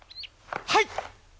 はい！